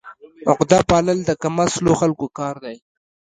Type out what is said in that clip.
عقده پالل د کم اصلو خلکو کار دی.